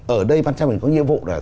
ở đây bác chấp hành có nhiệm vụ là